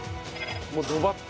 もうドバッと。